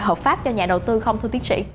hợp pháp cho nhà đầu tư không thu tiến sĩ